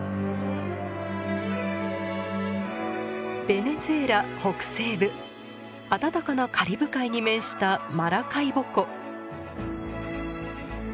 ベネズエラ北西部暖かなカリブ海に面したマラカイボ湖。